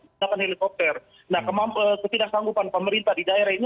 dengan helikopter nah ketidak sanggupan pemerintah di daerah ini